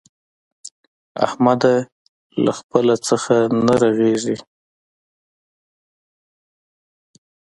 احمده! له خپله څخه نه رغېږي.